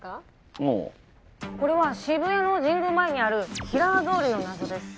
ああこれは渋谷の神宮前にあるキラー通りの謎です